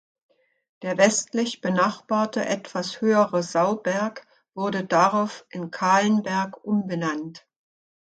Der westlich benachbarte, etwas höhere "Sauberg" wurde darauf in "Kahlenberg" umbenannt.